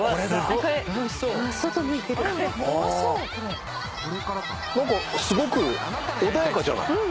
何かすごく穏やかじゃない。